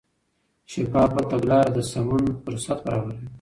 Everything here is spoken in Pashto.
شفاف تګلاره د سمون فرصت برابروي.